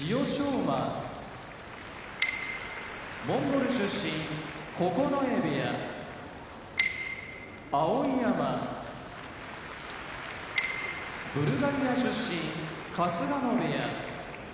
馬モンゴル出身九重部屋碧山ブルガリア出身春日野部屋